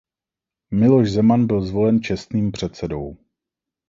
Miloš Zeman byl zvolen čestným předsedou.